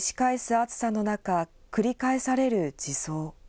暑さの中繰り返される自葬。